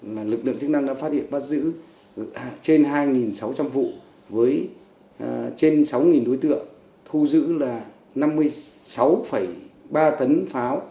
năm hai nghìn hai mươi ba lực lượng chức năng đã phát hiện phát giữ trên hai sáu trăm linh vụ với trên sáu đối tượng thu giữ là năm mươi sáu ba tấn pháo